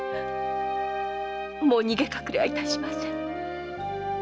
もう逃げ隠れはいたしません。